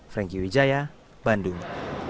franky wijaya bandung